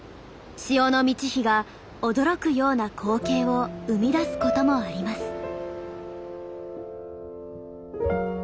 潮の満ち干が驚くような光景を生み出すこともあります。